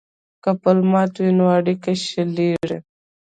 که پل مات وي نو اړیکې شلیږي.